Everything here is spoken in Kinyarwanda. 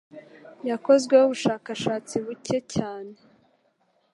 yakozweho ubushakashatsi bucye cyane